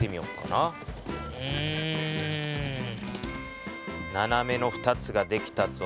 ななめの２つができたぞ。